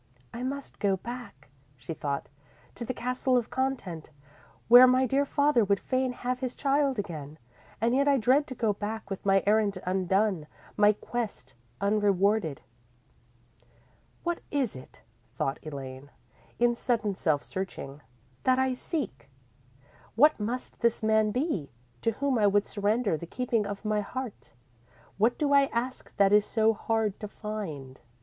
"I must go back," she thought, "to the Castle of Content, where my dear father would fain have his child again. And yet I dread to go back with my errand undone, my quest unrewarded._ _"What is it," thought Elaine, in sudden self searching, "that I seek? What must this man be, to whom I would surrender the keeping of my heart? What do I ask that is so hard to find?